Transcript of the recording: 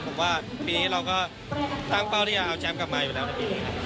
ผมว่าปีนี้เราก็ตั้งเป้าที่จะเอาแชมป์กลับมาอยู่แล้วในปีนี้